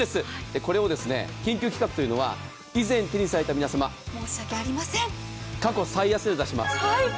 これを緊急企画というのは以前手にされた皆様、申し訳ありません、過去最安値で出します。